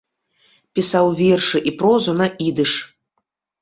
Пісаў вершы і прозу на ідыш.